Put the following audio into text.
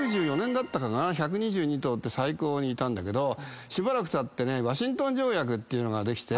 １２２頭って最高にいたんだけどしばらくたってワシントン条約っていうのができて。